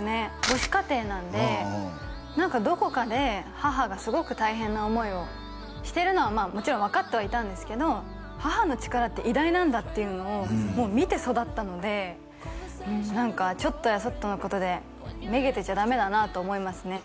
母子家庭なんで何かどこかで母がすごく大変な思いをしてるのはまあもちろん分かってはいたんですけど母の力って偉大なんだっていうのをもう見て育ったのでうん何かちょっとやそっとのことでめげてちゃダメだなと思いますね